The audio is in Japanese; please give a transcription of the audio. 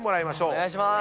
お願いします。